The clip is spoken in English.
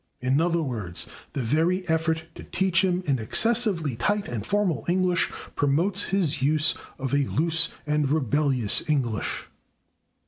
In other words, the very effort to teach him an excessively tight and formal English promotes his use of a loose and rebellious English.